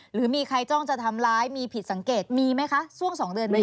หรือมีใครจ้องจะทำร้ายมีผิดสังเกตมีไหมคะช่วง๒เดือนไหมค